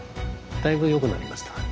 だいぶよくなりました。